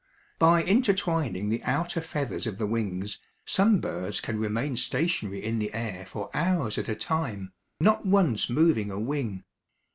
By intertwining the outer feathers of the wings some birds can remain stationary in the air for hours at a time, not once moving a wing.